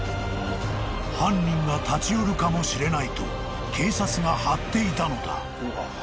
［犯人が立ち寄るかもしれないと警察が張っていたのだ］